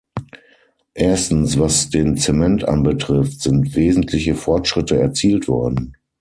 Erstens, was den Zement anbetrifft, sind wesentliche Fortschritte erzielt worden.